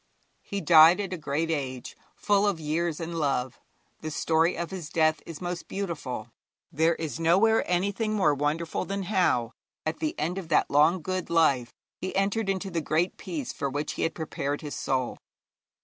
He died at a great age, full of years and love. The story of his death is most beautiful. There is nowhere anything more wonderful than how, at the end of that long good life, he entered into the Great Peace for which he had prepared his soul.